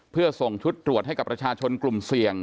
เพื่อส่งชุดตรวจให้กับประชาชนกลุ่มเสี่ยง